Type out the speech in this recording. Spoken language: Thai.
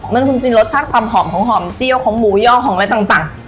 มันคุมจริงรสชาติความหอมของหอมเจียวของหมูย่อของอะไรต่าง